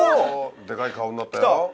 デカい顔になったよ